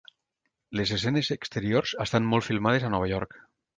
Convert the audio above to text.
Les escenes exteriors estan molt filmades a Nova York.